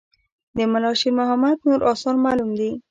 د ملا شیر محمد نور آثار معلوم دي.